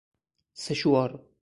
سشوار